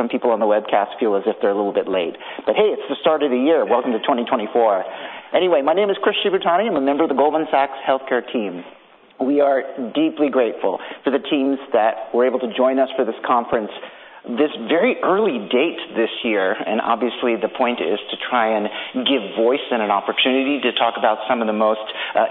Making some people on the webcast feel as if they're a little bit late. But hey, it's the start of the year. Welcome to 2024. Anyway, my name is Chris Shibutani. I'm a member of the Goldman Sachs healthcare team. We are deeply grateful to the teams that were able to join us for this conference this very early date this year, and obviously, the point is to try and give voice and an opportunity to talk about some of the most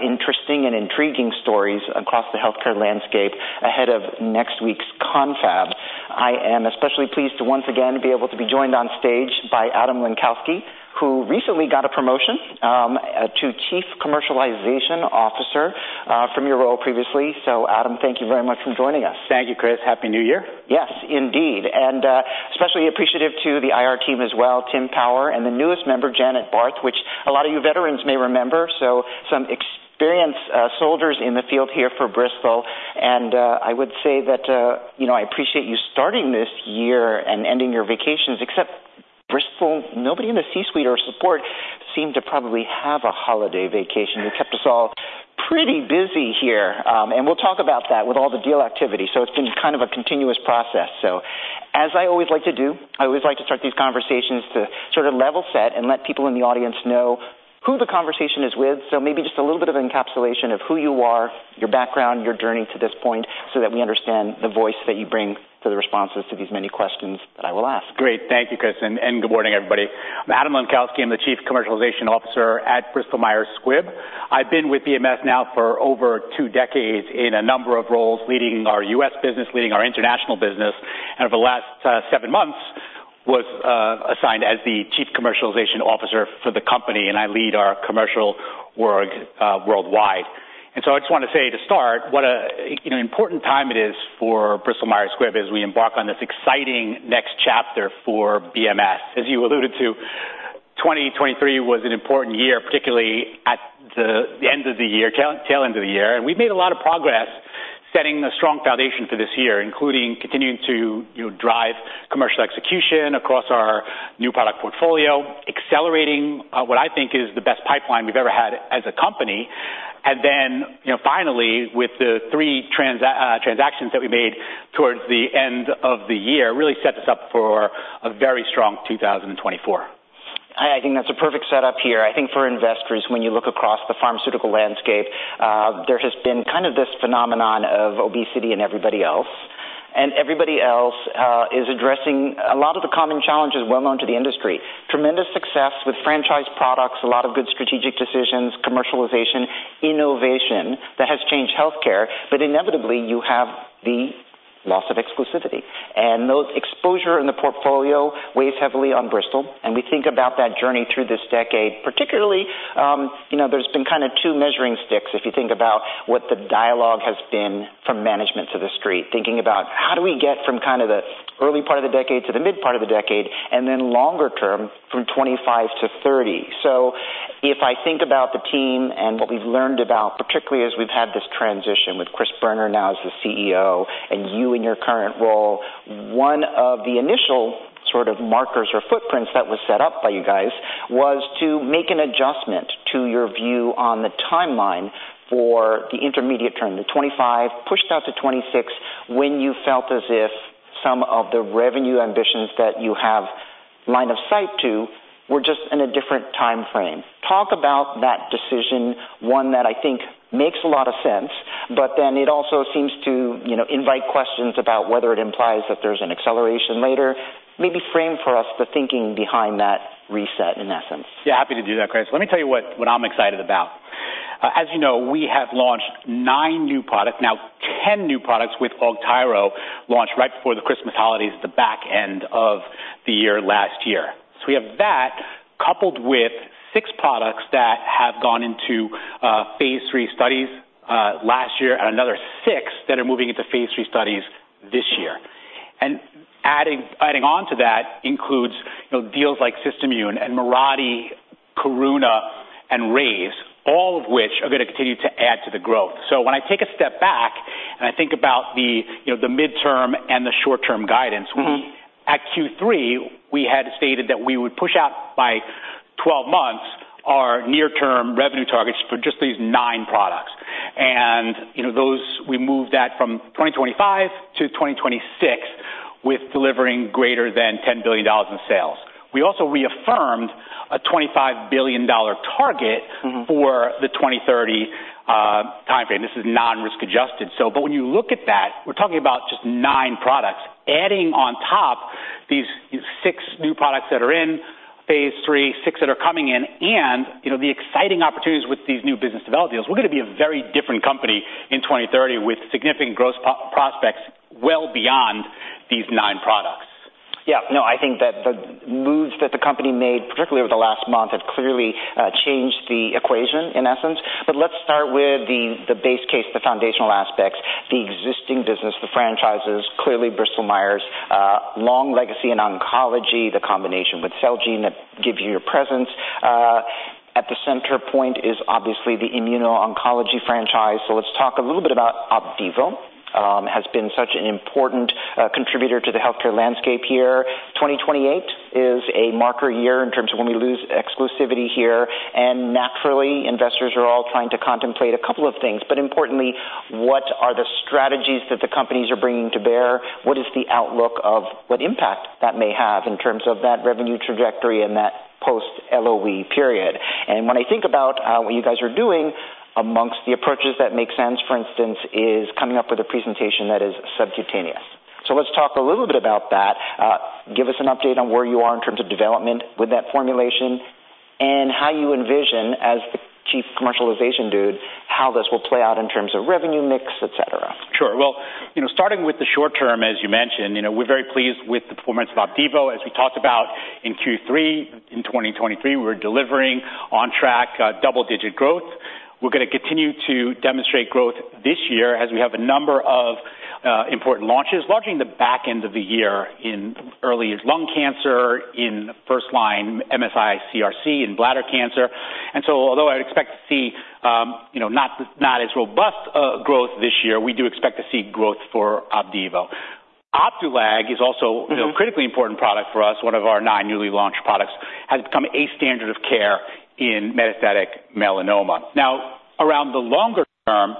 interesting and intriguing stories across the healthcare landscape ahead of next week's confab. I am especially pleased to once again be able to be joined on stage by Adam Lenkowsky, who recently got a promotion to Chief Commercialization Officer from your role previously. So Adam, thank you very much for joining us. Thank you, Chris. Happy New Year. Yes, indeed, and especially appreciative to the IR team as well, Tim Power and the newest member, Janet Barth, which a lot of you veterans may remember. So some experienced soldiers in the field here for Bristol. And I would say that, you know, I appreciate you starting this year and ending your vacations, except Bristol, nobody in the C-suite or support seemed to probably have a holiday vacation. You kept us all pretty busy here, and we'll talk about that with all the deal activity. So it's been kind of a continuous process. So as I always like to do, I always like to start these conversations to sort of level set and let people in the audience know who the conversation is with. Maybe just a little bit of encapsulation of who you are, your background, your journey to this point, so that we understand the voice that you bring to the responses to these many questions that I will ask. Great. Thank you Chris and good morning everybody. I'm Adam Lenkowsky. I'm the Chief Commercialization Officer at Bristol Myers Squibb. I've been with BMS now for over two decades in a number of roles, leading our U.S. business, leading our international business, and over the last seven months, was assigned as the Chief Commercialization Officer for the company, and I lead our commercial org worldwide. And so I just want to say to start, what a, you know, important time it is for Bristol Myers Squibb as we embark on this exciting next chapter for BMS. As you alluded to, 2023 was an important year, particularly at the end of the year, tail end of the year. We've made a lot of progress setting a strong foundation for this year, including continuing to, you know, drive commercial execution across our new product portfolio, accelerating what I think is the best pipeline we've ever had as a company. And then, you know, finally, with the three transactions that we made towards the end of the year, really set us up for a very strong 2024. I think that's a perfect setup here. I think for investors, when you look across the pharmaceutical landscape, there has been kind of this phenomenon of obesity and everybody else. And everybody else is addressing a lot of the common challenges well known to the industry. Tremendous success with franchise products, a lot of good strategic decisions, commercialization, innovation that has changed healthcare, but inevitably, you have the loss of exclusivity. And those exposures in the portfolio weigh heavily on Bristol, and we think about that journey through this decade, particularly, you know, there's been kind of two measuring sticks if you think about what the dialogue has been from management to the street, thinking about how do we get from kind of the early part of the decade to the mid part of the decade, and then longer term, from 25-30. So if I think about the team and what we've learned about, particularly as we've had this transition with Chris Boerner now as the CEO and you in your current role, one of the initial sort of markers or footprints that was set up by you guys was to make an adjustment to your view on the timeline for the intermediate term, the 2025, pushed out to 2026, when you felt as if some of the revenue ambitions that you have line of sight to were just in a different time frame. Talk about that decision, one that I think makes a lot of sense, but then it also seems to, you know, invite questions about whether it implies that there's an acceleration later. Maybe frame for us the thinking behind that reset, in essence. Yeah, happy to do that, Chris. Let me tell you what I'm excited about. As you know, we have launched nine new products, now 10 new products with Augtyro, launched right before the Christmas holidays at the back end of the year, last year. So we have that, coupled with six products that have gone Phase III studies last year, and another six that are moving Phase III studies this year. And adding on to that includes, you know, deals like SystImmune and Mirati, Karuna, and Rays, all of which are going to continue to add to the growth. So when I take a step back and I think about the, you know, the midterm and the short-term guidance. Mm-hmm. At Q3, we had stated that we would push out by 12 months our near-term revenue targets for just these nine products. And, you know, those we moved that from 2025 to 2026, with delivering greater than $10 billion in sales. We also reaffirmed a $25 billion target. Mm-hmm. For the 2030 time frame. This is non-risk adjusted. So but when you look at that, we're talking about just nine products, adding on top these six new products that are Phase III, six that are coming in, and you know, the exciting opportunities with these new business development deals. We're going to be a very different company in 2030 with significant growth prospects well beyond these nine products. Yeah. No, I think that the moves that the company made, particularly over the last month, have clearly changed the equation in essence. But let's start with the base case, the foundational aspects, the existing business, the franchises, clearly, Bristol Myers long legacy in oncology, the combination with Celgene that gives you your presence. At the center point is obviously the immuno-oncology franchise. So let's talk a little bit about Opdivo. Has been such an important contributor to the healthcare landscape here. 2028 is a marker year in terms of when we lose exclusivity here, and naturally, investors are all trying to contemplate a couple of things, but importantly, what are the strategies that the companies are bringing to bear? What is the outlook of what impact that may have in terms of that revenue trajectory and that post-LOE period? When I think about what you guys are doing, amongst the approaches that make sense, for instance, is coming up with a presentation that is subcutaneous. So let's talk a little bit about that. Give us an update on where you are in terms of development with that formulation and how you envision, as the chief commercialization dude, how this will play out in terms of revenue mix, etc. Sure. Well, you know, starting with the short term, as you mentioned, you know, we're very pleased with the performance of Opdivo. As we talked about in Q3, in 2023, we're delivering on track, double-digit growth. We're gonna continue to demonstrate growth this year as we have a number of important launches, largely in the back end of the year, in early lung cancer, in first line MSI-CRC, in bladder cancer. And so although I'd expect to see, you know, not, not as robust, growth this year, we do expect to see growth for Opdivo. Mm-hmm. Opdualag is also a critically important product for us. One of our nine newly launched products, has become a standard of care in metastatic melanoma. Now, around the longer term,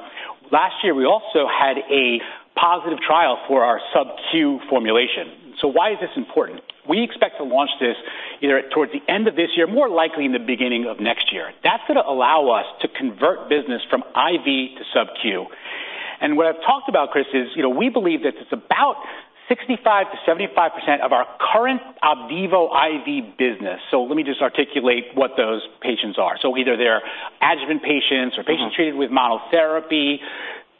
last year, we also had a positive trial for our sub-Q formulation. So why is this important? We expect to launch this either towards the end of this year, more likely in the beginning of next year. That's gonna allow us to convert business from IV to sub-Q. And what I've talked about, Chris, is, you know, we believe that it's about 65%-75% of our current Opdivo IV business. So let me just articulate what those patients are. So either they're adjuvant patients or patients treated with monotherapy,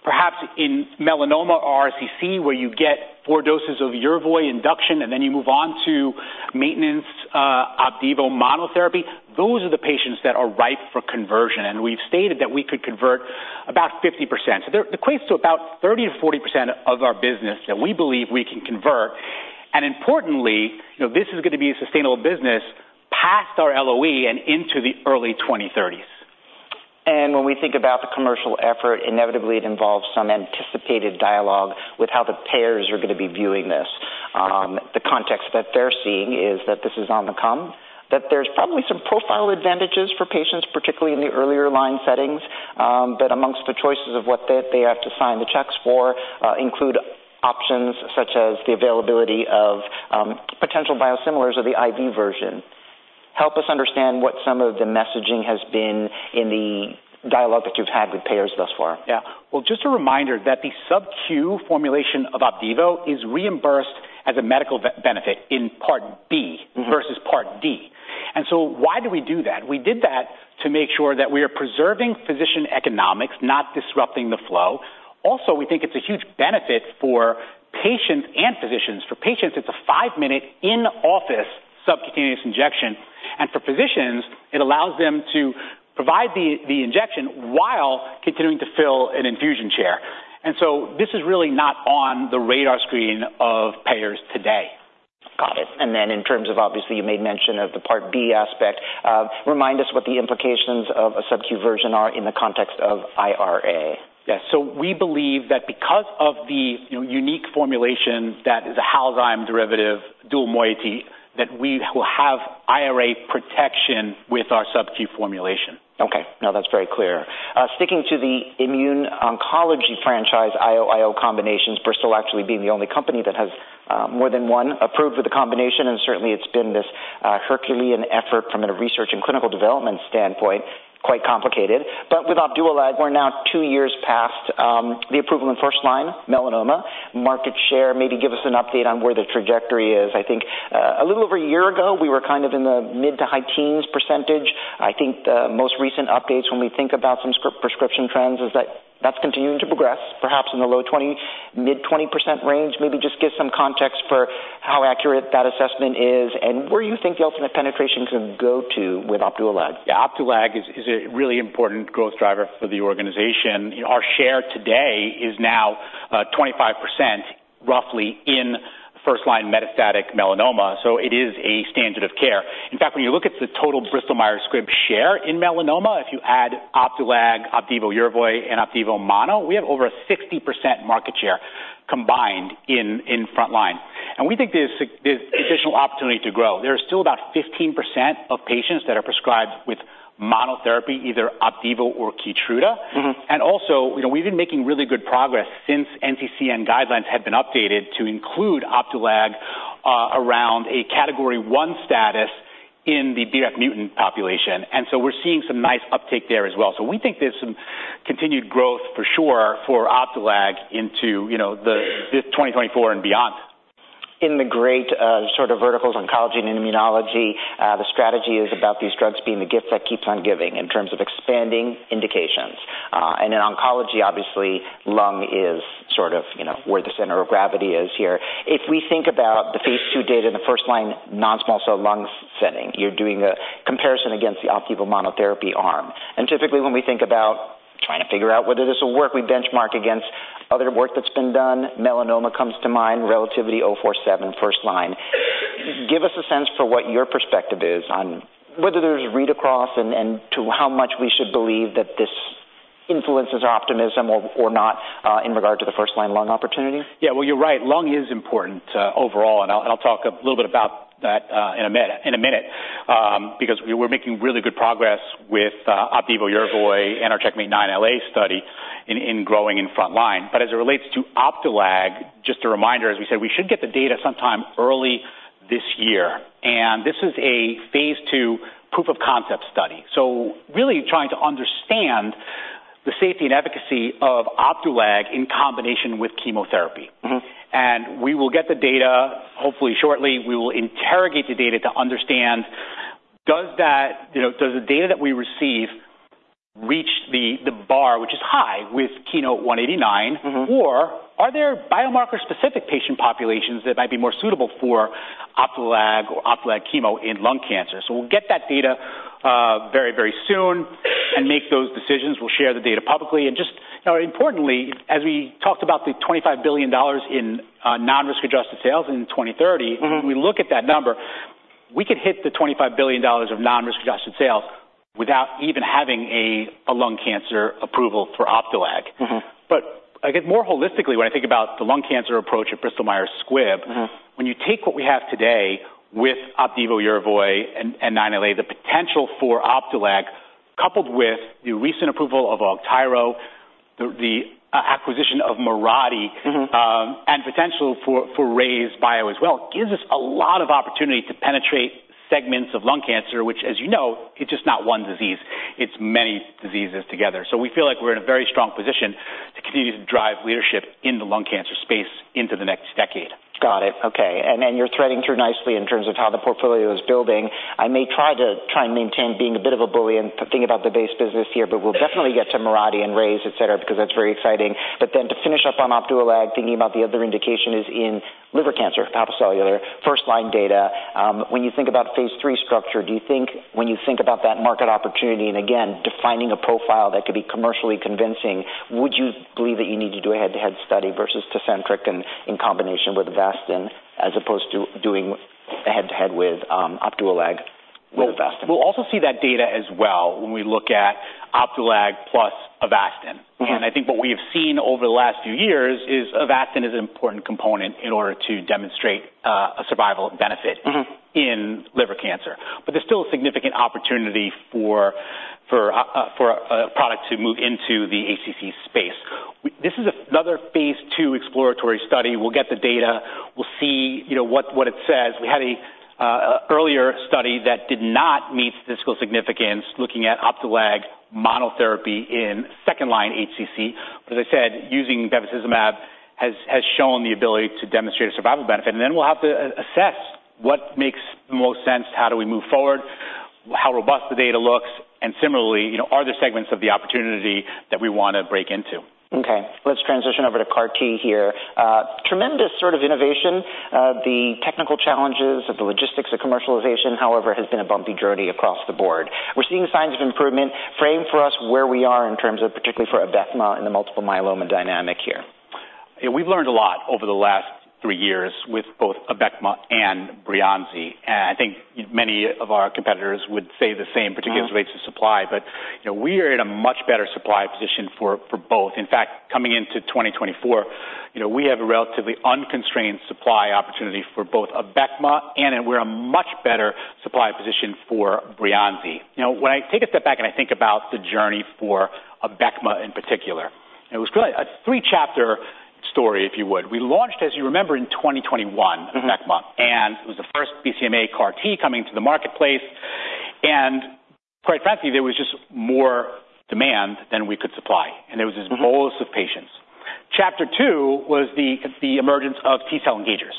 perhaps in melanoma or RCC, where you get four doses of Yervoy induction, and then you move on to maintenance, Opdivo monotherapy. Those are the patients that are ripe for conversion, and we've stated that we could convert about 50%. So there equates to about 30%-40% of our business that we believe we can convert. And importantly, you know, this is gonna be a sustainable business past our LOE and into the early 2030s. When we think about the commercial effort, inevitably it involves some anticipated dialogue with how the payers are gonna be viewing this. The context that they're seeing is that this is on the come, that there's probably some profile advantages for patients, particularly in the earlier line settings, that amongst the choices of what they, they have to sign the checks for, include options such as the availability of potential biosimilars or the IV version. Help us understand what some of the messaging has been in the dialogue that you've had with payers thus far? Yeah. Well, just a reminder that the sub-Q formulation of Opdivo is reimbursed as a medical benefit in Part B versus Part D. And so why do we do that? We did that to make sure that we are preserving physician economics, not disrupting the flow. Also, we think it's a huge benefit for patients and physicians. For patients, it's a five-minute in-office subcutaneous injection, and for physicians, it allows them to provide the injection while continuing to fill an infusion chair. And so this is really not on the radar screen of payers today. Got it. And then in terms of, obviously, you made mention of the Part B aspect, remind us what the implications of a sub-Q version are in the context of IRA. Yes. So we believe that because of the, you know, unique formulation that is a Halzyme derivative, dual moiety, that we will have IRA protection with our sub-Q formulation. Okay. No, that's very clear. Sticking to the immuno-oncology franchise, I-O, I-O combinations, Bristol actually being the only company that has more than one approved with a combination, and certainly it's been this Herculean effort from a research and clinical development standpoint, quite complicated. But with Opdualag, we're now two years past the approval in first-line melanoma. Market share, maybe give us an update on where the trajectory is. I think a little over a year ago, we were kind of in the mid- to high-teens percentage. I think the most recent updates, when we think about some prescription trends, is that that's continuing to progress, perhaps in the low-20s, mid-20s % range. Maybe just give some context for how accurate that assessment is and where you think the ultimate penetration can go to with Opdualag. Yeah, Opdualag is a really important growth driver for the organization. Our share today is now 25%, roughly, in first-line metastatic melanoma, so it is a standard of care. In fact, when you look at the total Bristol Myers Squibb share in melanoma, if you add Opdualag, Opdivo, Yervoy, and Opdivo mono, we have over a 60% market share combined in front line. And we think there's there's additional opportunity to grow. There are still about 15% of patients that are prescribed with monotherapy, either Opdivo or Keytruda. Mm-hmm. And also, you know, we've been making really good progress since NCCN guidelines have been updated to include Opdualag around a Category 1 status in the BF mutant population. And so we're seeing some nice uptake there as well. So we think there's some continued growth for sure for Opdualag into, you know, the 2024 and beyond. In the great, sort of verticals, oncology and immunology, the strategy is about these drugs being the gift that keeps on giving in terms of expanding indications. And in oncology, obviously, lung is sort of, you know, where the center of gravity is here. If we think about the Phase II data in the first-line non-small cell lung setting, you're doing a comparison against the Opdivo monotherapy arm. And typically, when we think about trying to figure out whether this will work, we benchmark against other work that's been done. Melanoma comes to mind, RELATIVITY-047, first line. Give us a sense for what your perspective is on whether there's a read across, and to how much we should believe that this influences optimism or not, in regard to the first-line lung opportunity? Yeah, well, you're right. Lung is important overall, and I'll talk a little bit about that in a minute. Because we were making really good progress with Opdivo, Yervoy, and our CheckMate-9LA study in growing in frontline. But as it relates to Opdualag, just a reminder, as we said, we should get the data sometime early this year, and this is a Phase II proof of concept study. So really trying to understand the safety and efficacy of Opdualag in combination with chemotherapy. Mm-hmm. We will get the data, hopefully shortly. We will interrogate the data to understand, does that, you know, does the data that we receive reach the bar, which is high with KEYNOTE-189? Mm-hmm. Or are there biomarker-specific patient populations that might be more suitable for Opdualag or Opdualag chemo in lung cancer? So we'll get that data very, very soon and make those decisions. We'll share the data publicly. And just, you know, importantly, as we talked about the $25 billion in non-risk-adjusted sales in 2030. Mm-hmm. When we look at that number, we could hit the $25 billion of non-risk-adjusted sales without even having a lung cancer approval for Opdualag. Mm-hmm. But I guess more holistically, when I think about the lung cancer approach at Bristol Myers Squibb. Mm-hmm. When you take what we have today with Opdivo, Yervoy, and 9LA, the potential for Opdualag, coupled with the recent approval of Augtyro, the acquisition of Mirati. Mm-hmm. And potential for RayzeBio as well gives us a lot of opportunity to penetrate segments of lung cancer, which, as you know, it's just not one disease, it's many diseases together. So we feel like we're in a very strong position to continue to drive leadership in the lung cancer space into the next decade. Got it. Okay, and then you're threading through nicely in terms of how the portfolio is building. I may try to maintain being a bit of a bully and thinking about the base business here, but we'll definitely get to Mirati and RayzeBio, etc., because that's very exciting. But then to finish up on Opdualag, thinking about the other indication is in liver cancer, hepatocellular, first-line data. When you think about Phase III structure, do you think about that market opportunity? And again, defining a profile that could be commercially convincing, would you believe that you need to do a head-to-head study versus Tecentriq and in combination with Avastin, as opposed to doing a head-to-head with Opdualag with Avastin? We'll also see that data as well when we look at Opdualag plus Avastin. Mm-hmm. I think what we have seen over the last few years is Avastin is an important component in order to demonstrate a survival benefit in liver cancer. Mm-hmm. But there's still a significant opportunity for a product to move into the HCC space. This is another Phase II exploratory study. We'll get the data, we'll see, you know, what it says. We had an earlier study that did not meet statistical significance, looking at Opdualag monotherapy in second-line HCC. But as I said, using bevacizumab has shown the ability to demonstrate a survival benefit, and then we'll have to assess what makes the most sense. How do we move forward? How robust the data looks, and similarly, you know, are there segments of the opportunity that we want to break into? Okay, let's transition over to CAR T here. Tremendous sort of innovation. The technical challenges of the logistics of commercialization, however, has been a bumpy journey across the board. We're seeing signs of improvement. Frame for us where we are in terms of, particularly for Abecma and the multiple myeloma dynamic here? Yeah, we've learned a lot over the last three years with both Abecma and Breyanzi. I think many of our competitors would say the same particularly with rates of supply. But, you know, we are in a much better supply position for both. In fact, coming into 2024, you know, we have a relatively unconstrained supply opportunity for both Abecma, and we're in a much better supply position for Breyanzi. You know, when I take a step back and I think about the journey for Abecma in particular, it was really a three-chapter story, if you would. We launched, as you remember, in 2021 Abecma. Mm-hmm. And it was the first BCMA CAR T coming to the marketplace. And quite frankly, there was just more demand than we could supply. Mm-hmm. And there was this bolus of patients. Chapter two was the emergence of T cell engagers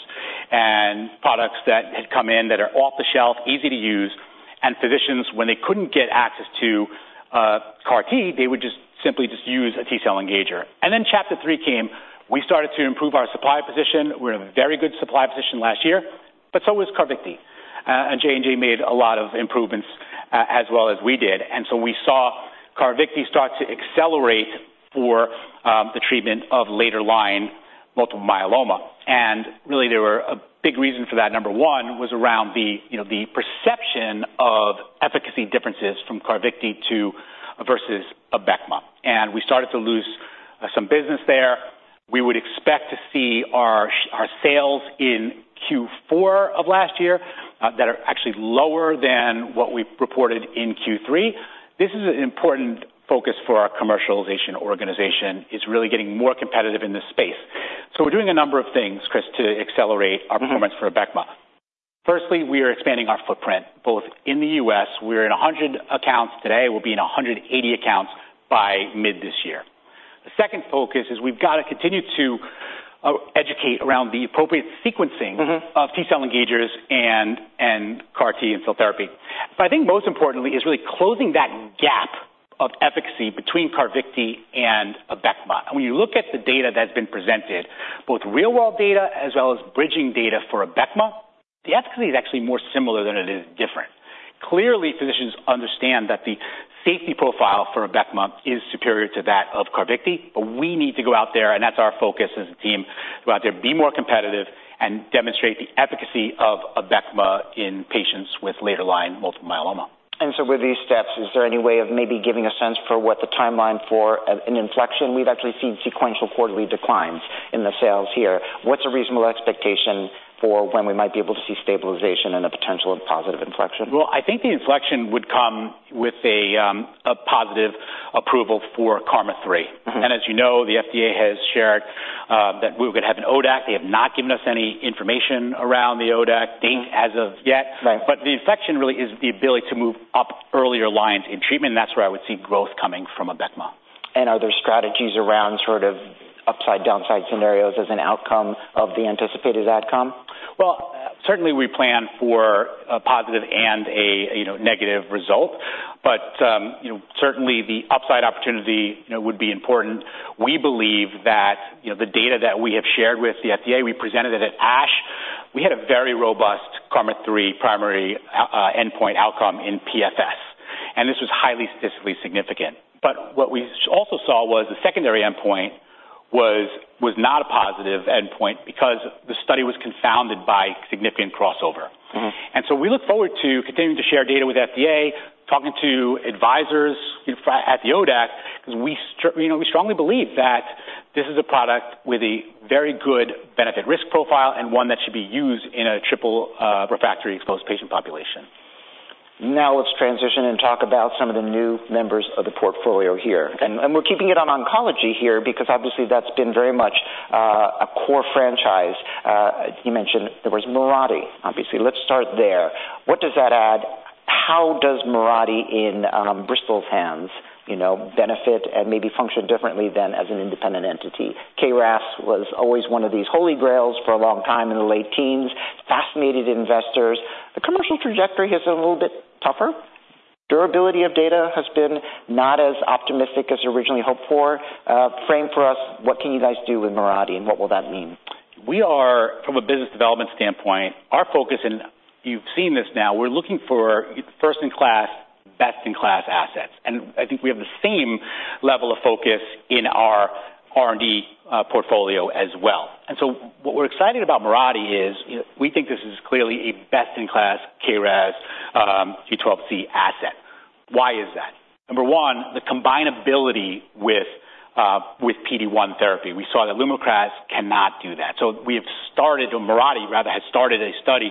and products that had come in that are off the shelf, easy to use, and physicians, when they couldn't get access to CAR T, they would just simply just use a T cell engager. And then chapter three came. We started to improve our supply position. We're in a very good supply position last year, but so was Carvykti. And J&J made a lot of improvements as well as we did. And so we saw Carvykti start to accelerate for the treatment of later line multiple myeloma. And really, there were a big reason for that. Number one, was around the, you know, the perception of efficacy differences from Carvykti to versus Abecma, and we started to lose some business there. We would expect to see our sales in Q4 of last year that are actually lower than what we reported in Q3. This is an important focus for our commercialization organization, is really getting more competitive in this space. So we're doing a number of things, Chris, to accelerate our performance for Abecma. Mm-hmm. Firstly, we are expanding our footprint both in the U.S. We're in 100 accounts today, we'll be in 180 accounts by mid this year. The second focus is we've got to continue to educate around the appropriate sequencing of T-cell engagers and CAR T cell therapy. Mm-hmm. But I think most importantly is really closing that gap of efficacy between Carvykti and Abecma. And when you look at the data that's been presented, both real-world data as well as bridging data for Abecma, the efficacy is actually more similar than it is different. Clearly, physicians understand that the safety profile for Abecma is superior to that of Carvykti, but we need to go out there, and that's our focus as a team, go out there, be more competitive, and demonstrate the efficacy of Abecma in patients with later-line multiple myeloma. So with these steps, is there any way of maybe giving a sense for what the timeline for an inflection? We've actually seen sequential quarterly declines in the sales here. What's a reasonable expectation for when we might be able to see stabilization and a potential of positive inflection? Well, I think the inflection would come with a positive approval for KarMMa-3. Mm-hmm. As you know, the FDA has shared that we're gonna have an ODAC. They have not given us any information around the ODAC date as of yet. Right. The inflection really is the ability to move up earlier lines in treatment, and that's where I would see growth coming from Abecma. Are there strategies around sort of upside, downside scenarios as an outcome of the anticipated outcome? Well, certainly we plan for a positive and, you know, negative result, but, you know, certainly the upside opportunity, you know, would be important. We believe that, you know, the data that we have shared with the FDA, we presented it at ASH. We had a very robust KarMMA-3 primary endpoint outcome in PFS, and this was highly statistically significant. But what we also saw was the secondary endpoint was not a positive endpoint because the study was confounded by significant crossover. Mm-hmm. So we look forward to continuing to share data with FDA, talking to advisors at the ODAC, because, you know, we strongly believe that this is a product with a very good benefit risk profile and one that should be used in a triple refractory exposed patient population. Now let's transition and talk about some of the new members of the portfolio here. Okay. We're keeping it on oncology here because obviously, that's been very much a core franchise. You mentioned there was Mirati, obviously. Let's start there. What does that add? How does Mirati in Bristol's hands, you know, benefit and maybe function differently than as an independent entity? KRAS was always one of these holy grails for a long time in the late teens, fascinated investors. The commercial trajectory has been a little bit tougher. Durability of data has been not as optimistic as originally hoped for. Frame for us, what can you guys do with Mirati, and what will that mean? We are, from a business development standpoint, our focus, and you've seen this now, we're looking for first-in-class, best-in-class assets, and I think we have the same level of focus in our R&D portfolio as well. And so what we're excited about Mirati is, we think this is clearly a best-in-class KRAS G12C asset. Why is that? Number one, the combinability with with PD-1 therapy. We saw that Lumakras cannot do that. So we've started, or Mirati rather, has started a study,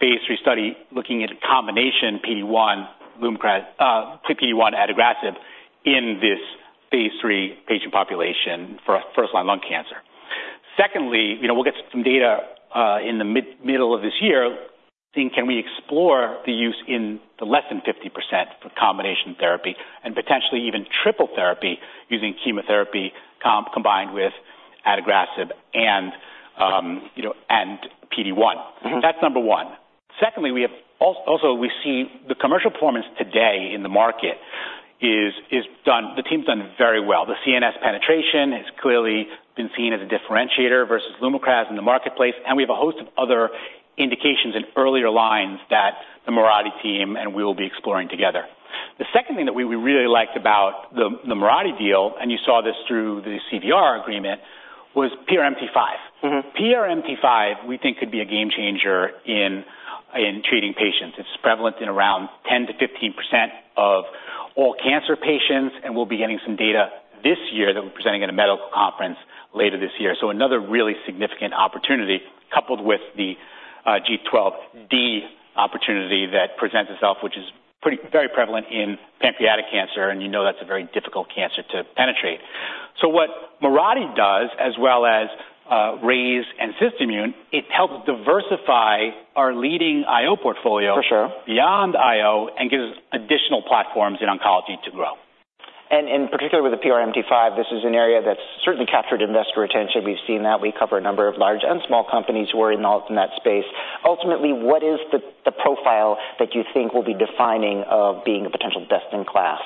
Phase III study, looking at a combination PD-1, Lumakras, PD-1 adagrasib in this Phase III patient population for first-line lung cancer. Secondly, you know, we'll get some data in the middle of this year, seeing can we explore the use in the less than 50% for combination therapy and potentially even triple therapy using chemotherapy combined with Adagrasib and, you know, PD-1. Mm-hmm. That's number one. Secondly, we have also, we see the commercial performance today in the market is done, the team's done very well. The CNS penetration has clearly been seen as a differentiator versus Lumakras in the marketplace, and we have a host of other indications in earlier lines that the Mirati team and we will be exploring together. The second thing that we really liked about the Mirati deal, and you saw this through the CVR agreement, was PRMT5. Mm-hmm. PRMT5, we think, could be a game changer in treating patients. It's prevalent in around 10%-15% of all cancer patients, and we'll be getting some data this year that we're presenting at a medical conference later this year. So another really significant opportunity, coupled with the G12D opportunity that presents itself, which is pretty, very prevalent in pancreatic cancer, and you know that's a very difficult cancer to penetrate. So what Mirati does, as well as RayzeBio and SystImmune, it helps diversify our leading I-O portfolio. For sure. Beyond I-O and gives us additional platforms in oncology to grow. And particularly with the PRMT5, this is an area that's certainly captured investor attention. We've seen that. We cover a number of large and small companies who are in all, in that space. Ultimately, what is the profile that you think will be defining of being a potential best-in-class?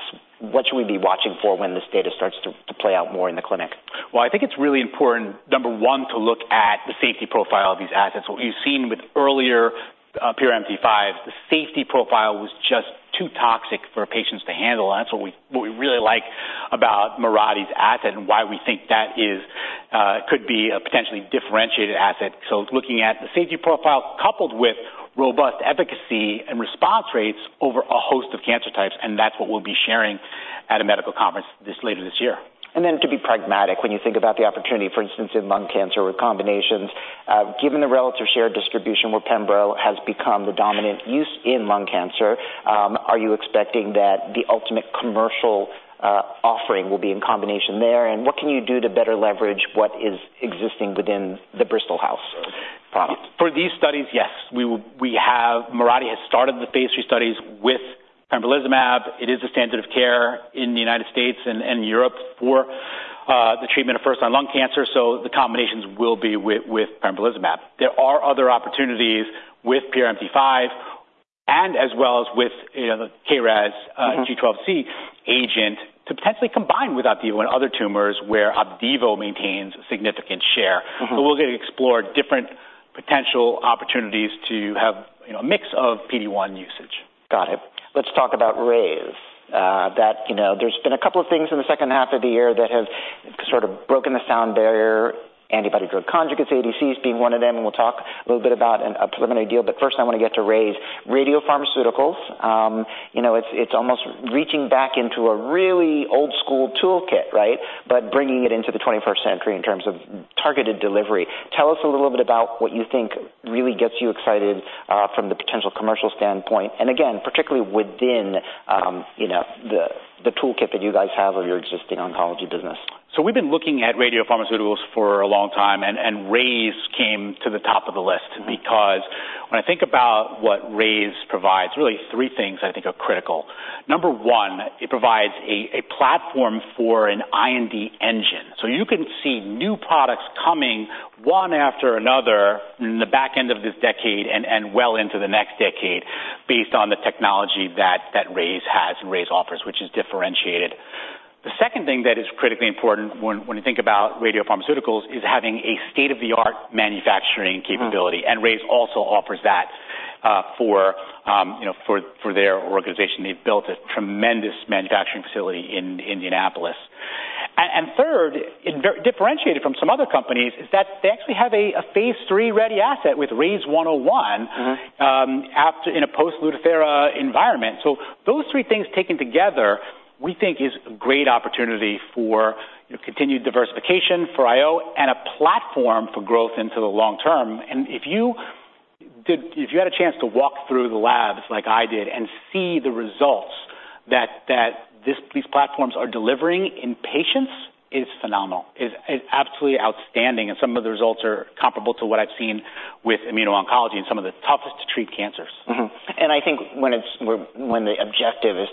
What should we be watching for when this data starts to play out more in the clinic? Well, I think it's really important, number one, to look at the safety profile of these assets. What we've seen with earlier PRMT5, the safety profile was just too toxic for patients to handle, and that's what we, what we really like about Mirati's asset and why we think that is could be a potentially differentiated asset. So looking at the safety profile coupled with robust efficacy and response rates over a host of cancer types, and that's what we'll be sharing at a medical conference later this year. And then to be pragmatic, when you think about the opportunity, for instance, in lung cancer or combinations, given the relative share distribution where pembro has become the dominant use in lung cancer, are you expecting that the ultimate commercial offering will be in combination there? And what can you do to better leverage what is existing within the Bristol house products? For these studies, yes. Mirati has started the Phase III studies with pembrolizumab. It is a standard of care in the United States and Europe for the treatment of first-line lung cancer, so the combinations will be with pembrolizumab. There are other opportunities with PRMT5 and as well as with, you know, the KRAS G12C agent to potentially combine with Opdivo and other tumors where Opdivo maintains significant share. Mm-hmm. We'll explore different potential opportunities to have, you know, a mix of PD-1 usage. Got it. Let's talk about RayzeBio, you know, there's been a couple of things in the second half of the year that have sort of broken the sound barrier, antibody drug conjugates, ADCs, being one of them, and we'll talk a little bit about a preliminary deal. But first, I want to get to RayzeBio Radiopharmaceuticals. You know, it's, it's almost reaching back into a really old-school toolkit, right? But bringing it into the twenty-first century in terms of targeted delivery. Tell us a little bit about what you think really gets you excited, from the potential commercial standpoint, and again, particularly within, you know, the, the toolkit that you guys have of your existing oncology business. So we've been looking at radiopharmaceuticals for a long time, and RayzeBio came to the top of the list because when I think about what RayzeBio provides, really three things I think are critical. Number one, it provides a platform for an IND engine. So you can see new products coming one after another in the back end of this decade and well into the next decade, based on the technology that RayzeBio has and RayzeBio offers, which is differentiated. The second thing that is critically important when you think about radiopharmaceuticals is having a state-of-the-art manufacturing capability, and RayzeBio also offers that, you know, for their organization. They've built a tremendous manufacturing facility in Indianapolis. And third, it differentiated from some other companies, is that they actually have a Phase III-ready asset with RYZ101. Mm-hmm. After in a post-Lutathera environment. So those three things taken together, we think is a great opportunity for continued diversification for I-O and a platform for growth into the long term. And if you had a chance to walk through the labs like I did and see the results that these platforms are delivering in patients, is phenomenal, absolutely outstanding, and some of the results are comparable to what I've seen with immuno-oncology and some of the toughest to treat cancers. Mm-hmm. And I think when the objective is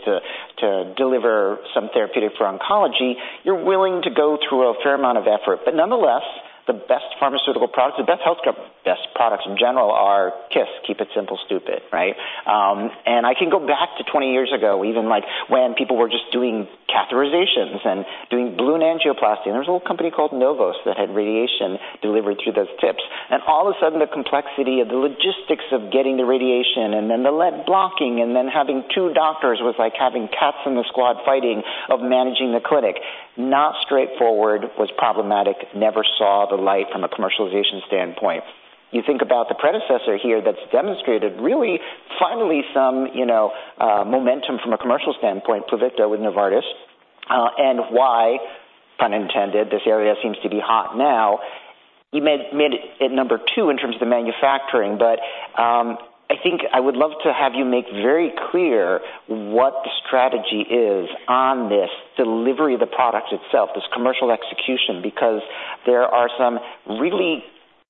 to deliver some therapeutic for oncology, you're willing to go through a fair amount of effort. But nonetheless, the best pharmaceutical products, the best healthcare, best products in general are KISS, Keep It Simple, Stupid, right? And I can go back to 20 years ago, even like when people were just doing catheterizations and doing balloon angioplasty, and there was a little company called Novoste that had radiation delivered through those tips. And all of a sudden, the complexity of the logistics of getting the radiation and then the lead blocking and then having two doctors was like having cats in the squad fighting of managing the clinic. Not straightforward, was problematic, never saw the light from a commercialization standpoint. You think about the predecessor here that's demonstrated really finally some, you know, momentum from a commercial standpoint, Pluvicto with Novartis, and why, pun intended, this area seems to be hot now. You made it number two in terms of the manufacturing, but, I think I would love to have you make very clear what the strategy is on this delivery of the product itself, this commercial execution, because there are some really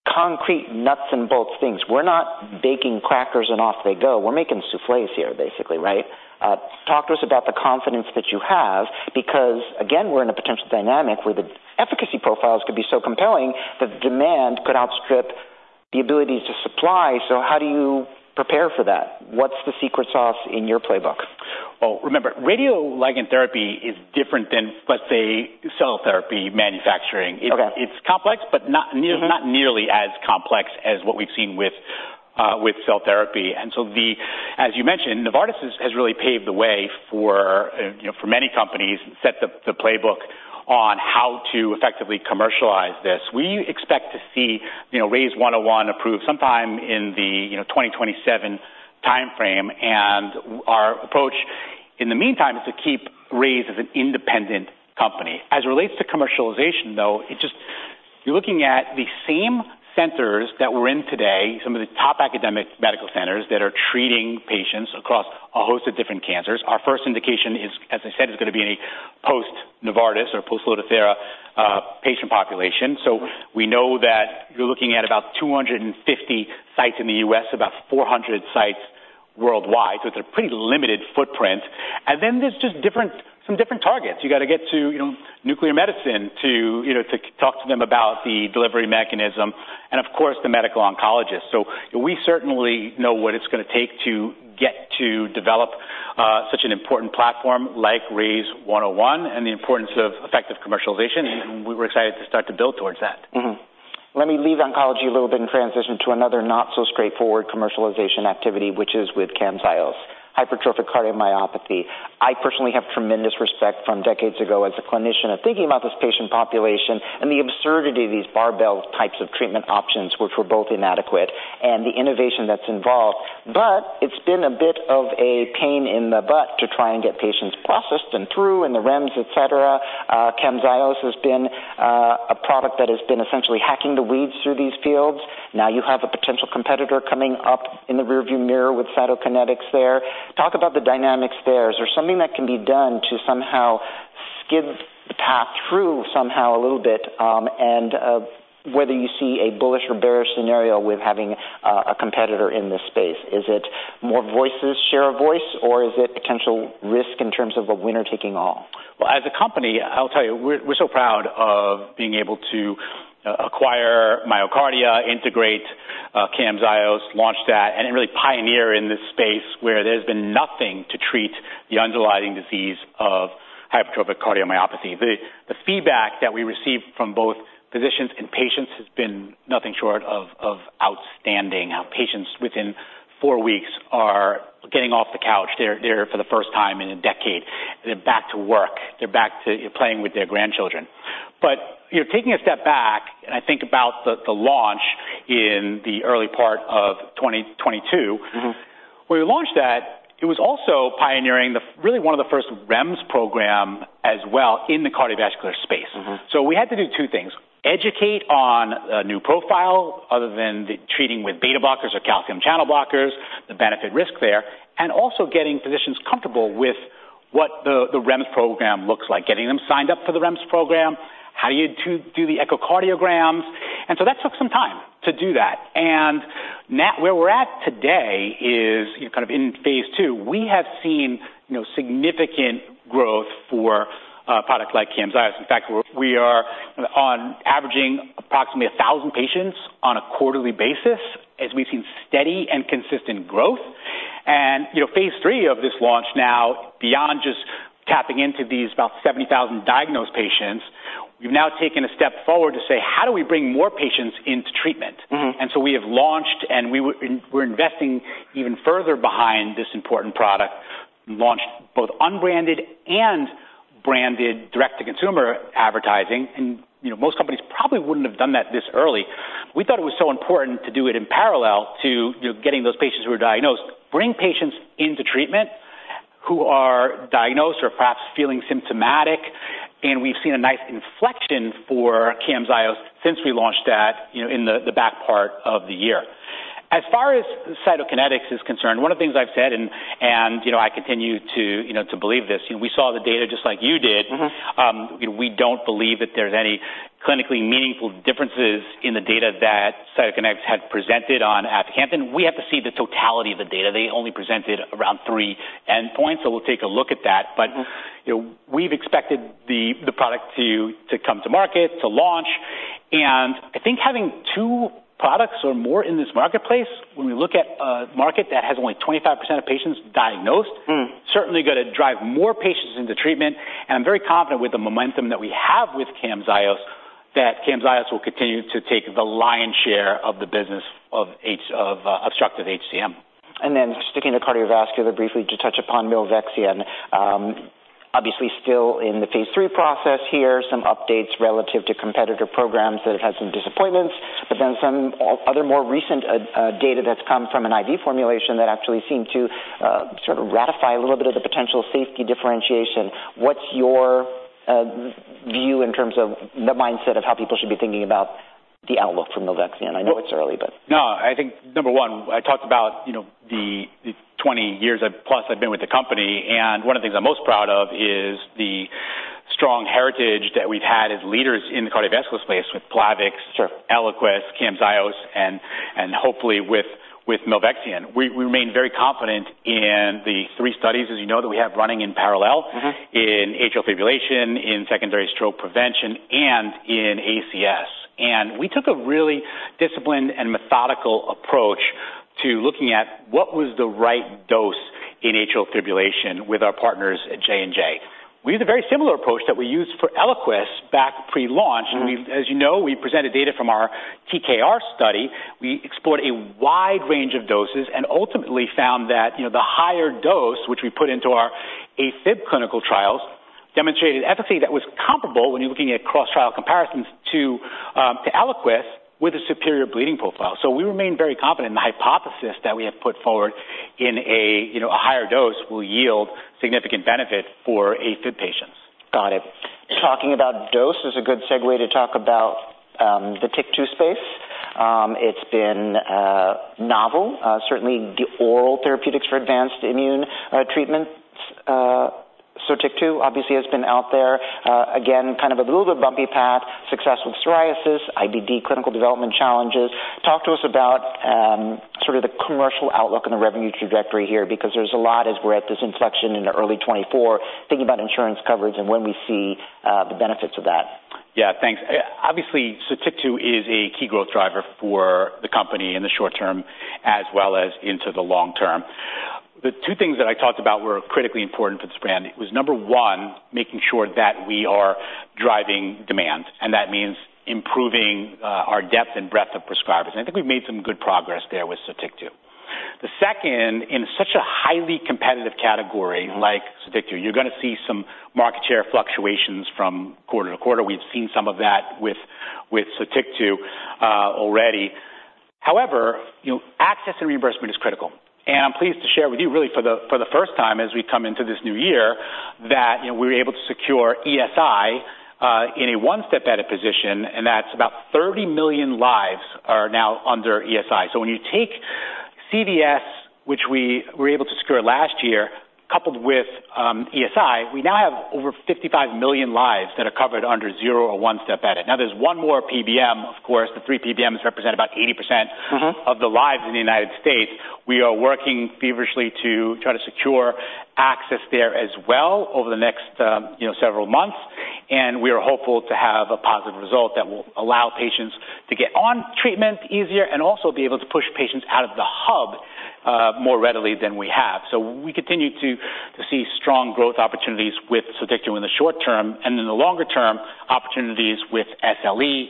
concrete nuts and bolts things. We're not baking crackers and off they go. We're making soufflés here, basically, right? Talk to us about the confidence that you have, because, again, we're in a potential dynamic where the efficacy profiles could be so compelling that demand could outstrip the ability to supply. So how do you prepare for that? What's the secret sauce in your playbook? Oh, remember, radioligand therapy is different than, let's say, cell therapy manufacturing. Okay. It's complex, but not nearly as complex as what we've seen with cell therapy. So, as you mentioned, Novartis has really paved the way, you know, for many companies, set the playbook on how to effectively commercialize this. We expect to see, you know, RYZ101 approved sometime in the 2027 timeframe, and our approach, in the meantime, is to keep RayzeBio as an independent company. As it relates to commercialization, though, it's just you're looking at the same centers that we're in today, some of the top academic medical centers that are treating patients across a host of different cancers. Our first indication, as I said, is going to be in a post-Novartis or post-Lutathera patient population. So we know that you're looking at about 250 sites in the U.S., about 400 sites worldwide, with a pretty limited footprint. And then there's just different, some different targets. You got to get to, you know, nuclear medicine to, you know, to talk to them about the delivery mechanism and, of course, the medical oncologist. So we certainly know what it's going to take to get to develop such an important platform like RYZ101, and the importance of effective commercialization, and we're excited to start to build towards that. Mm-hmm. Let me leave oncology a little bit and transition to another not-so-straightforward commercialization activity, which is with Camzyos, hypertrophic cardiomyopathy. I personally have tremendous respect from decades ago as a clinician of thinking about this patient population and the absurdity of these barbell types of treatment options, which were both inadequate and the innovation that's involved. But it's been a bit of a pain in the butt to try and get patients processed and through in the REMS, etc. Camzyos has been a product that has been essentially hacking the weeds through these fields. Now, you have a potential competitor coming up in the rearview mirror with Cytokinetics there. Talk about the dynamics there. Is there something that can be done to somehow skid the path through somehow a little bit, and whether you see a bullish or bearish scenario with having a competitor in this space? Is it more voices share a voice, or is it potential risk in terms of a winner taking all? Well, as a company, I'll tell you, we're so proud of being able to acquire MyoKardia, integrate Camzyos, launch that, and then really pioneer in this space where there's been nothing to treat the underlying disease of hypertrophic cardiomyopathy. The feedback that we received from both physicians and patients has been nothing short of outstanding. Our patients, within four weeks, are getting off the couch. They're for the first time in a decade, they're back to work. They're back to playing with their grandchildren. But, you know, taking a step back, and I think about the launch in the early part of 2022. Mm-hmm. When we launched that, it was also pioneering, really, one of the first REMS program as well in the cardiovascular space. Mm-hmm. So we had to do two things: educate on a new profile other than treating with beta blockers or calcium channel blockers, the benefit risk there, and also getting physicians comfortable with what the REMS program looks like, getting them signed up for the REMS program. How do you do the echocardiograms? And so that took some time to do that. And now, where we're at today is, you know, kind of in Phase II, we have seen, you know, significant growth for a product like Camzyos. In fact, we are averaging approximately 1,000 patients on a quarterly basis as we've seen steady and consistent growth. And, you know, Phase III of this launch now, beyond just tapping into these about 70,000 diagnosed patients, we've now taken a step forward to say: How do we bring more patients into treatment? Mm-hmm. And so we have launched, and we're investing even further behind this important product, launched both unbranded and branded direct-to-consumer advertising. And, you know, most companies probably wouldn't have done that this early. We thought it was so important to do it in parallel to, you know, getting those patients who are diagnosed, bring patients into treatment, who are diagnosed or perhaps feeling symptomatic. And we've seen a nice inflection for Camzyos since we launched that, you know, in the back part of the year. As far as Cytokinetics is concerned, one of the things I've said, and, you know, I continue to, you know, to believe this, you know, we saw the data just like you did. Mm-hmm. You know, we don't believe that there's any clinically meaningful differences in the data that Cytokinetics had presented on Aficamten. We have to see the totality of the data. They only presented around three endpoints, so we'll take a look at that. Mm-hmm. But, you know, we've expected the product to come to market, to launch, and I think having two products or more in this marketplace, when we look at a market that has only 25% of patients diagnosed. Mm. Certainly gonna drive more patients into treatment. And I'm very confident with the momentum that we have with Camzyos, that Camzyos will continue to take the lion's share of the business of obstructive HCM. And then sticking to cardiovascular briefly to touch upon Milvexian, obviously still in the Phase III process here, some updates relative to competitor programs that have had some disappointments, but then some other more recent data that's come from an IV formulation that actually seemed to sort of ratify a little bit of the potential safety differentiation. What's your view in terms of the mindset of how people should be thinking about the outlook for Milvexian? I know it's early, but. No, I think, number one, I talked about, you know, the 20+ years I've been with the company, and one of the things I'm most proud of is the strong heritage that we've had as leaders in the cardiovascular space with Plavix, sort of Eliquis, Camzyos, and hopefully with Milvexian. We remain very confident in the three studies, as you know, that we have running in parallel- Mm-hmm. In atrial fibrillation, in secondary stroke prevention, and in ACS. We took a really disciplined and methodical approach to looking at what was the right dose in atrial fibrillation with our partners at J&J. We used a very similar approach that we used for Eliquis back pre-launch. Mm-hmm. As you know, we presented data from our TKR study. We explored a wide range of doses and ultimately found that, you know, the higher dose, which we put into our AFib clinical trials, demonstrated efficacy that was comparable when you're looking at cross-trial comparisons to, to Eliquis, with a superior bleeding profile. So we remain very confident in the hypothesis that we have put forward in a, you know, a higher dose will yield significant benefit for AFib patients. Got it. Talking about dose is a good segue to talk about the TYK2 space. It's been novel, certainly the oral therapeutics for advanced immune treatments. So TYK2 obviously has been out there, again, kind of a little bit bumpy path, success with psoriasis, IBD, clinical development challenges. Talk to us about sort of the commercial outlook and the revenue trajectory here, because there's a lot as we're at this inflection in the early 2024, thinking about insurance coverage and when we see the benefits of that. Yeah, thanks. Obviously, so TYK2 is a key growth driver for the company in the short term as well as into the long term. The two things that I talked about were critically important for this brand. It was, number one, making sure that we are driving demand, and that means improving our depth and breadth of prescribers, and I think we've made some good progress there with Sotyktu. The second, in such a highly competitive category like Sotyktu, you're gonna see some market share fluctuations from quarter to quarter. We've seen some of that with, with Sotyktu, already. However, you know, access and reimbursement is critical, and I'm pleased to share with you really for the, for the first time as we come into this new year, that, you know, we were able to secure ESI, in a one-step edit position, and that's about 30 million lives are now under ESI. So when you take CVS, which we were able to secure last year, coupled with, ESI, we now have over 55 million lives that are covered under zero or one step edit. Now, there's one more PBM. Of course, the three PBMs represent about 80% of the lives in the United States. Mm-hmm. We are working feverishly to try to secure access there as well over the next, you know, several months, and we are hopeful to have a positive result that will allow patients to get on treatment easier and also be able to push patients out of the hub more readily than we have. So we continue to see strong growth opportunities with Sotyktu in the short term, and in the longer term, opportunities with SLE,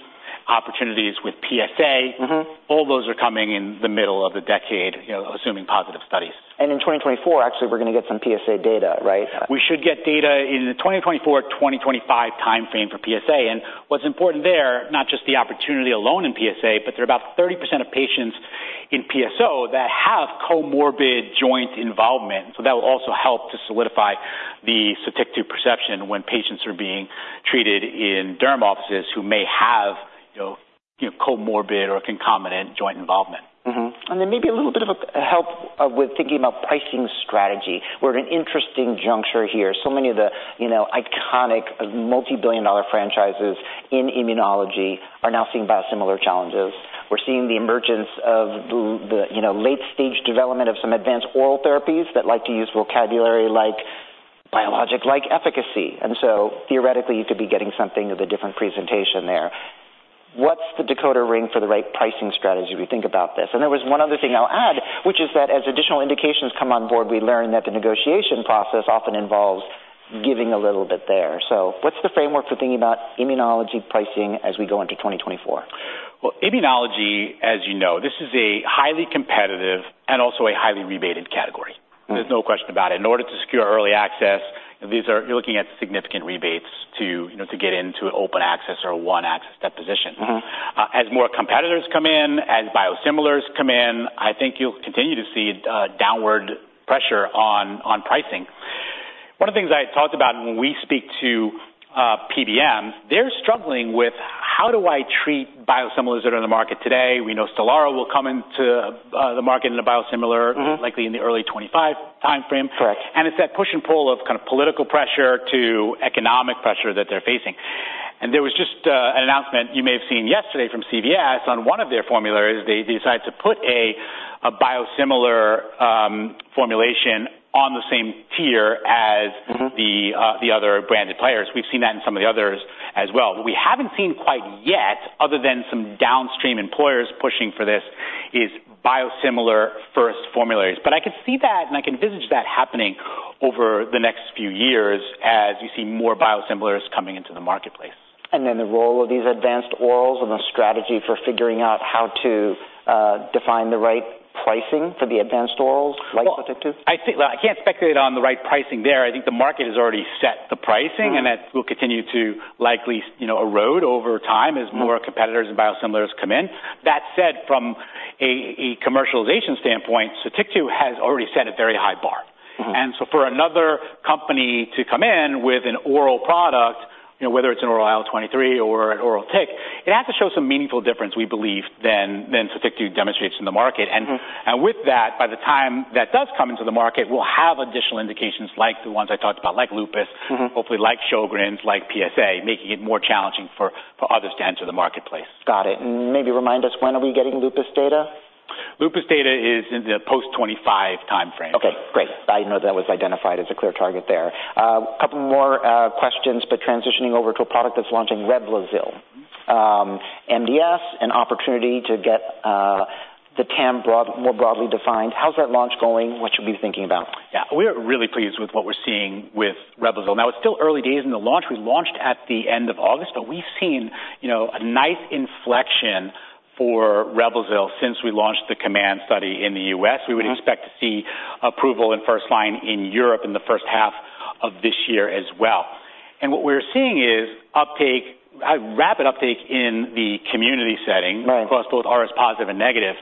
opportunities with PsA. Mm-hmm. All those are coming in the middle of the decade, you know, assuming positive studies. In 2024, actually, we're gonna get some PsA data, right? We should get data in the 2024-2025 timeframe for PsA. And what's important there, not just the opportunity alone in PsA, but there are about 30% of patients in PsO that have comorbid joint involvement. So that will also help to solidify the Sotyktu perception when patients are being treated in derm offices who may have, you know, you know, comorbid or concomitant joint involvement. Mm-hmm. Then maybe a little bit of a help with thinking about pricing strategy. We're at an interesting juncture here. So many of the, you know, iconic, multibillion-dollar franchises in immunology are now seeing biosimilar challenges. We're seeing the emergence of the, you know, late-stage development of some advanced oral therapies that like to use vocabulary like biologic-like efficacy. And so theoretically, you could be getting something of a different presentation there. What's the decoder ring for the right pricing strategy if we think about this? And there was one other thing I'll add, which is that as additional indications come on board, we learn that the negotiation process often involves giving a little bit there. So what's the framework for thinking about immunology pricing as we go into 2024? Well, immunology, as you know, this is a highly competitive and also a highly rebated category. Mm-hmm. There's no question about it. In order to secure early access, these are, you're looking at significant rebates to, you know, to get into an open access or a one-access step position. Mm-hmm. As more competitors come in, as biosimilars come in, I think you'll continue to see downward pressure on pricing. One of the things I talked about when we speak to PBMs, they're struggling with, How do I treat biosimilars that are in the market today? We know Stelara will come into the market in a biosimilar. Mm-hmm. Likely in the early 2025 timeframe. Correct. And it's that push and pull of kind of political pressure to economic pressure that they're facing. And there was just an announcement you may have seen yesterday from CVS on one of their formularies. They decided to put a biosimilar formulation on the same tier as the other branded players. Mm-hmm. We've seen that in some of the others as well. What we haven't seen quite yet, other than some downstream employers pushing for this, is biosimilar-first formularies. But I could see that, and I can envisage that happening over the next few years as you see more biosimilars coming into the marketplace. And then the role of these advanced orals and the strategy for figuring out how to define the right pricing for the advanced orals, like Sotyktu? Well, I can't speculate on the right pricing there. I think the market has already set the pricing. Mm-hmm. And that will continue to likely, you know, erode over time. Mm-hmm. As more competitors and biosimilars come in. That said, from a commercialization standpoint, Sotyktu has already set a very high bar. Mm-hmm. And so for another company to come in with an oral product, you know, whether it's an oral IL-23 or an oral TYK2, it has to show some meaningful difference, we believe, than Sotyktu demonstrates in the market. Mm-hmm. And with that, by the time that does come into the market, we'll have additional indications like the ones I talked about, like lupus. Mm-hmm. Hopefully, like Sjögren's, like PsA, making it more challenging for others to enter the marketplace. Got it. Maybe remind us, when are we getting lupus data? Lupus data is in the post-2025 timeframe. Okay, great. I know that was identified as a clear target there. A couple more questions, but transitioning over to a product that's launching Revlimid. MDS, an opportunity to get the TAM more broadly defined. How's that launch going? What should we be thinking about? Yeah. We're really pleased with what we're seeing with Reblozyl. Now, it's still early days in the launch. We launched at the end of August, but we've seen, you know, a nice inflection for Reblozyl since we launched the COMMAND study in the U.S. Mm-hmm. We would expect to see approval in first line in Europe in the first half of this year as well. What we're seeing is uptake, a rapid uptake in the community setting. Right. Across both RS positive and negative.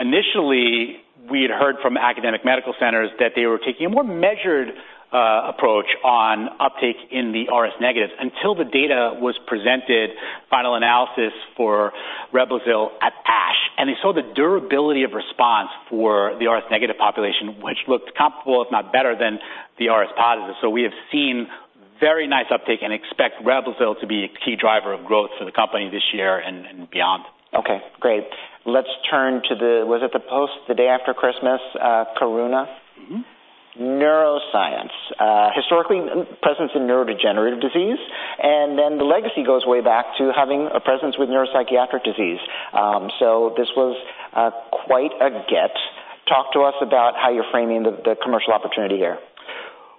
Initially, we had heard from academic medical centers that they were taking a more measured approach on uptake in the RS negatives until the data was presented, final analysis for Reblozyl at ASH, and they saw the durability of response for the RS negative population, which looked comparable, if not better than the RS positive. So we have seen very nice uptake and expect Reblozyl to be a key driver of growth for the company this year and beyond. Okay, great. Let's turn to the, was it the post, the day after Christmas, Karuna? Mm-hmm. Neuroscience. Historically, presence in neurodegenerative disease, and then the legacy goes way back to having a presence with neuropsychiatric disease. So this was quite a get. Talk to us about how you're framing the, the commercial opportunity here.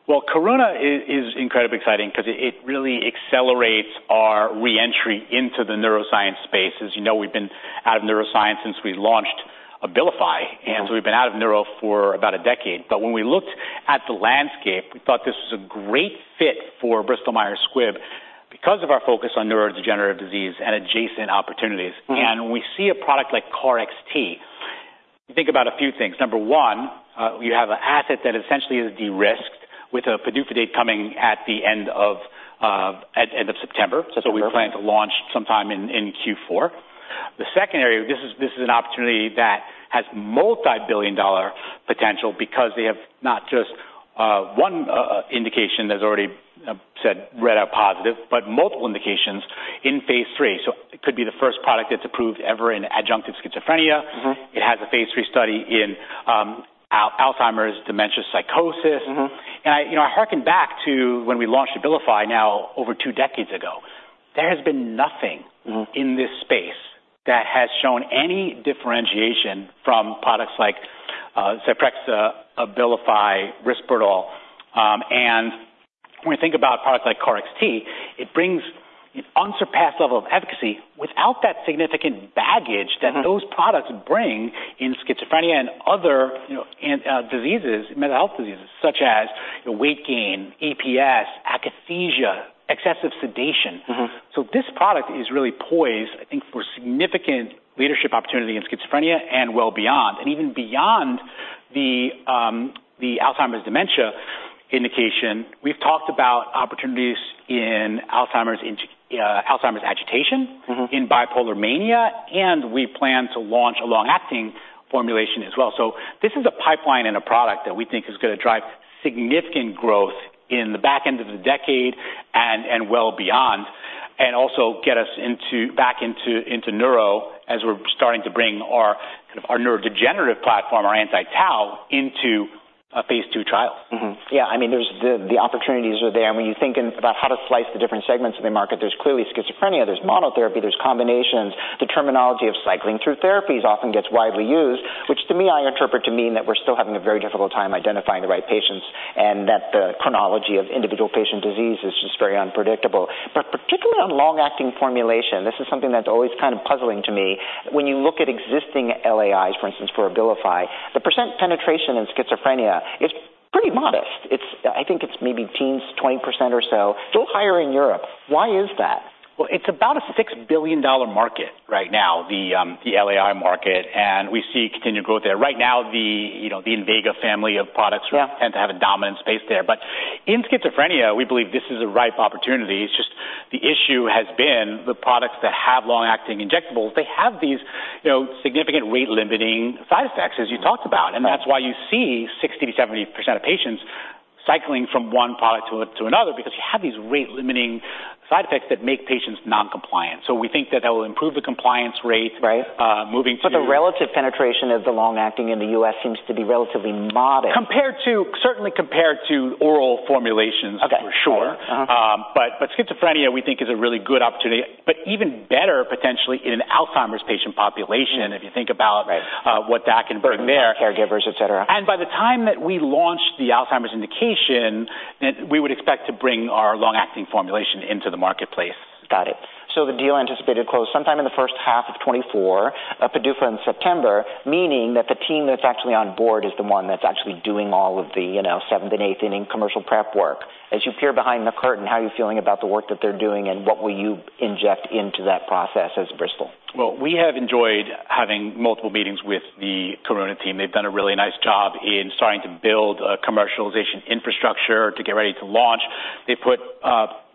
Well, Karuna is incredibly exciting because it really accelerates our re-entry into the neuroscience space. As you know, we've been out of neuroscience since we launched Abilify, and so we've been out of neuro for about a decade. But when we looked at the landscape, we thought this was a great fit for Bristol Myers Squibb because of our focus on neurodegenerative disease and adjacent opportunities. Mm-hmm. When we see a product like KarXT, you think about a few things. Number one, you have an asset that essentially is de-risked with a PDUFA date coming at the end of September. September. So we plan to launch sometime in, in Q4. The second area, this is, this is an opportunity that has multibillion-dollar potential because they have not just one indication that's already read out positive, but multiple indications in Phase III. So it could be the first product that's approved ever in adjunctive schizophrenia. Mm-hmm. It has a Phase III study in Alzheimer's dementia psychosis. Mm-hmm. I, you know, I hearken back to when we launched Abilify now over two decades ago. There has been nothing in this space that has shown any differentiation from products like Zyprexa, Abilify, Risperdal. When you think about products like KarXT, it brings an unsurpassed level of efficacy without that significant baggage that those products bring in schizophrenia and other, you know, diseases, mental health diseases, such as weight gain, EPS, akathisia, excessive sedation. Mm-hmm. This product is really poised, I think, for significant leadership opportunity in schizophrenia and well beyond, and even beyond the the Alzheimer's dementia indication. We've talked about opportunities in Alzheimer's agitation in bipolar mania. Mm-hmm. And we plan to launch a long-acting formulation as well. So this is a pipeline and a product that we think is gonna drive significant growth in the back end of the decade and well beyond, and also get us back into neuro as we're starting to bring our kind of our neurodegenerative platform, our anti-tau, into a Phase II trial. Mm-hmm. Yeah, I mean, there's the opportunities are there. When you think about how to slice the different segments of the market, there's clearly schizophrenia, there's monotherapy, there's combinations. The terminology of cycling through therapies often gets widely used, which, to me, I interpret to mean that we're still having a very difficult time identifying the right patients and that the chronology of individual patient disease is just very unpredictable. But particularly on long-acting formulation, this is something that's always kind of puzzling to me. When you look at existing LAIs, for instance, for Abilify, the percent penetration in schizophrenia is pretty modest. It's I think it's maybe teens-20% or so, still higher in Europe. Why is that? Well, it's about a $6 billion market right now, the LAI market, and we see continued growth there. Right now, the, you know, the Invega family of products. Yeah. Tend to have a dominant space there. But in schizophrenia, we believe this is a ripe opportunity. It's just the issue has been the products that have long-acting injectables, they have these, you know, significant weight-limiting side effects, as you talked about. Right. That's why you see 60%-70% of patients cycling from one product to, to another, because you have these weight-limiting side effects that make patients non-compliant. We think that that will improve the compliance rate. Right. Moving to. But the relative penetration of the long-acting in the U.S. seems to be relatively modest. Certainly compared to oral formulations. Okay. For sure. Uh-huh. But schizophrenia, we think, is a really good opportunity, but even better, potentially, in an Alzheimer's patient population. Mm. If you think about. Right. What that can bring there? Caregivers, etc. By the time that we launch the Alzheimer's indication, then we would expect to bring our long-acting formulation into the marketplace. Got it. So the deal anticipated close sometime in the first half of 2024, Opdualag in September, meaning that the team that's actually on board is the one that's actually doing all of the, you know, seventh and eighth inning commercial prep work. As you peer behind the curtain, how are you feeling about the work that they're doing, and what will you inject into that process as Bristol? Well, we have enjoyed having multiple meetings with the Karuna team. They've done a really nice job in starting to build a commercialization infrastructure to get ready to launch. They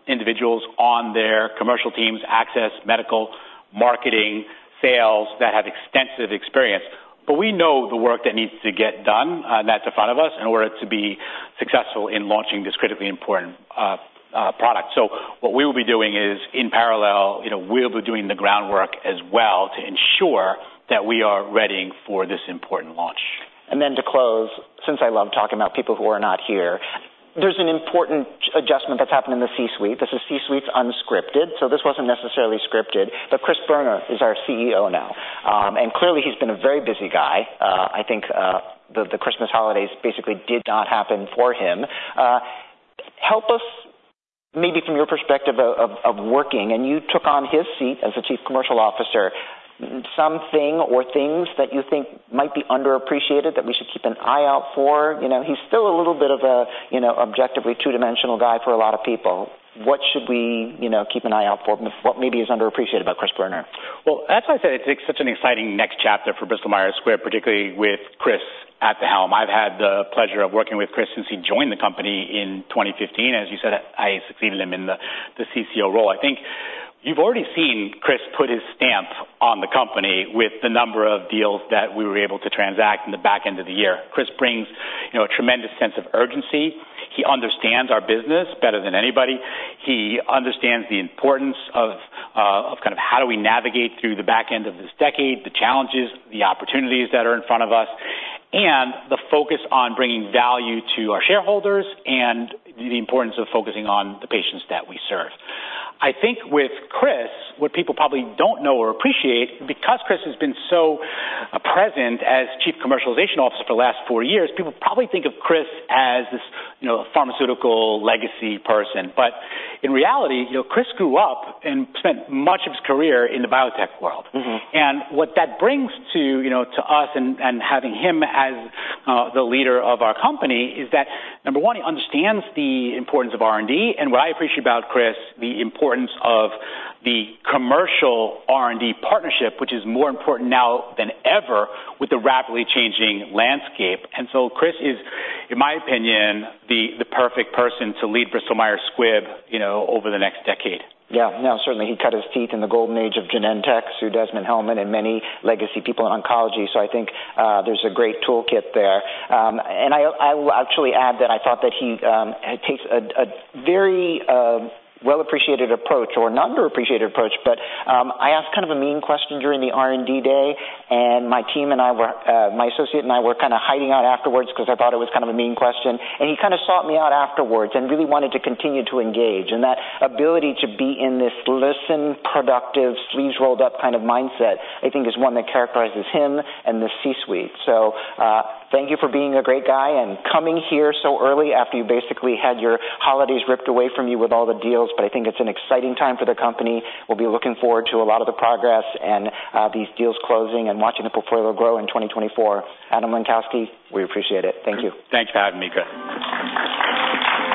put individuals on their commercial teams, access, medical, marketing, sales, that have extensive experience. But we know the work that needs to get done, that's in front of us, in order to be successful in launching this critically important product. So what we will be doing is, in parallel, you know, we'll be doing the groundwork as well to ensure that we are ready for this important launch. And then to close, since I love talking about people who are not here, there's an important adjustment that's happened in the C-suite. This is C-suites Unscripted, so this wasn't necessarily scripted, but Chris Boerner is our CEO now. Clearly, he's been a very busy guy. I think, the Christmas holidays basically did not happen for him. Help us, maybe from your perspective of working, and you took on his seat as the chief commercial officer, something or things that you think might be underappreciated, that we should keep an eye out for. You know, he's still a little bit of a, you know, objectively two-dimensional guy for a lot of people. What should we, you know, keep an eye out for? What maybe is underappreciated about Chris Boerner? Well, as I said, it's such an exciting next chapter for Bristol Myers Squibb, particularly with Chris at the helm. I've had the pleasure of working with Chris since he joined the company in 2015. As you said, I succeeded him in the CCO role. I think you've already seen Chris put his stamp on the company with the number of deals that we were able to transact in the back end of the year. Chris brings, you know, a tremendous sense of urgency. He understands our business better than anybody. He understands the importance of kind of how do we navigate through the back end of this decade, the challenges, the opportunities that are in front of us, and the focus on bringing value to our shareholders and the importance of focusing on the patients that we serve. I think with Chris, what people probably don't know or appreciate, because Chris has been so present as Chief Commercialization Officer for the last four years, people probably think of Chris as this, you know, pharmaceutical legacy person. But in reality, you know, Chris grew up and spent much of his career in the biotech world. Mm-hmm. And what that brings to, you know, to us and having him as the leader of our company is that, number one, he understands the importance of R&D, and what I appreciate about Chris, the importance of the commercial R&D partnership, which is more important now than ever with the rapidly changing landscape. And so Chris is, in my opinion, the perfect person to lead Bristol Myers Squibb, you know, over the next decade. Yeah. No, certainly, he cut his teeth in the golden age of Genentech through Desmond Hellmann and many legacy people in oncology. So I think, there's a great toolkit there. And I will actually add that I thought that he takes a very well-appreciated approach or an underappreciated approach. But I asked kind of a mean question during the R&D day, and my team and I were my associate and I were kind of hiding out afterwards because I thought it was kind of a mean question. And he kind of sought me out afterwards and really wanted to continue to engage. And that ability to be in this listen, productive, sleeves-rolled-up kind of mindset, I think, is one that characterizes him and the C-suite. So, thank you for being a great guy and coming here so early after you basically had your holidays ripped away from you with all the deals. But I think it's an exciting time for the company. We'll be looking forward to a lot of the progress and, these deals closing and watching the portfolio grow in 2024. Adam Lenkowsky, we appreciate it. Thank you. Thanks for having me, Chris.